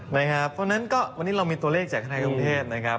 เพราะฉะนั้นก็วันนี้เรามีตัวเลขจากธนาคารกรุงเทพนะครับ